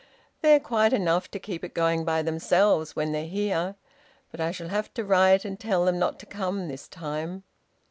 They're quite enough to keep it going by themselves when they're here. But I shall have to write and tell them not to come this time."